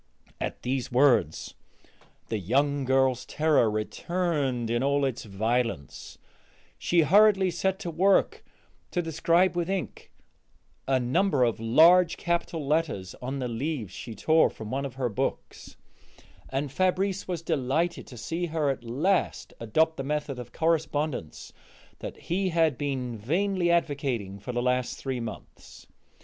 At these words the young girl's terror returned in all its violence; she hurriedly set to work to describe with ink a number of large capital letters on the leaves she tore from one of her books, and Fabrice was delighted to see her at last adopt the method of correspondence that he had been vainly advocating for the last three months.